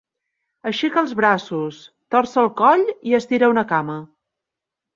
Aixeca els braços, torça el coll i estira una cama.